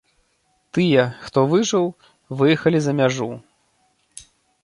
Тыя, хто выжыў, выехалі за мяжу.